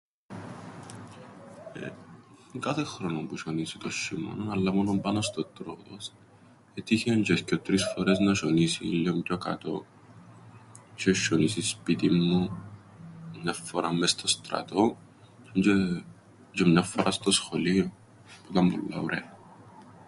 Κάθε χρόνον που σ̆ιονίζει τον σ̆ειμώναν, αλλά μόνον πάνω στο Τρόοδος. Έτυχεν τζ̆αι θκυο τρεις φορές να σ̆ιονίσει λλίον πιο κάτω. Είσ̆εν σ̆ιονίσει σπίτιν μου, μιαν φορά μες στον στρατόν τζ̆αι- τζ̆αι μιαν φοράν στο σχολείον, ήταν πολλά ωραία.